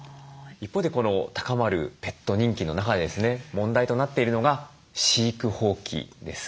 一方でこの高まるペット人気の中でですね問題となっているのが飼育放棄です。